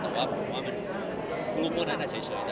แต่กลุ่มพวกนั้นเฉย